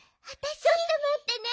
ちょっとまってね！